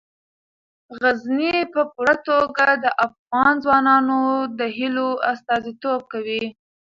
غزني په پوره توګه د افغان ځوانانو د هیلو استازیتوب کوي.